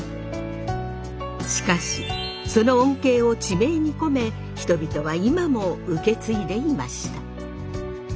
しかしその恩恵を地名に込め人々はいまも受け継いでいました。